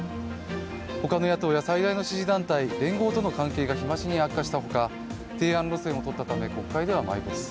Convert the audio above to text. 他の野党や最大の支持団体連合との関係が日増しに悪化したほか提案路線をとったため国会では埋没。